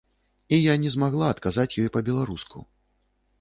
І я не змагла адказаць ёй па-беларуску.